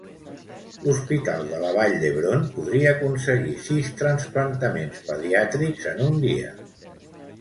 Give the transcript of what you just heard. L'Hospital de la Vall d'Hebron podria aconseguir sis trasplantaments pediàtrics en un dia.